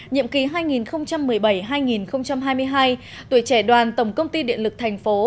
nhiệm kỳ hai nghìn một mươi bảy hai nghìn hai mươi hai tuổi trẻ đoàn tổng công ty điện lực thành phố